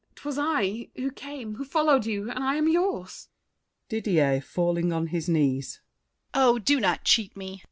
'Twas I Who came, who followed you, and I am yours! DIDIER (falling on his knees). Oh, do not cheat me!